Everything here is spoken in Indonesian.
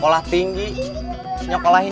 pertanda kalian kan sama buddhist